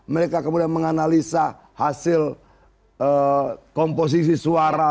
mereka kemudian menganalisa hasil komposisi suara